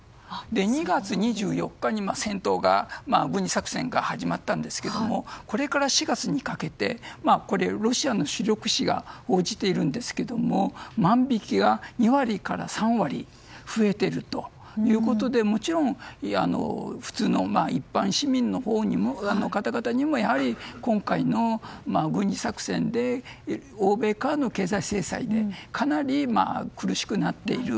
２月２４日、戦闘が軍事作戦が始まったんですけどこれから４月にかけてロシアの主力紙が報じているんですが万引きが２割から３割増えているということで、もちろん普通の一般市民の方々にも今回の軍事作戦で欧米からの経済制裁でかなり苦しくなっている。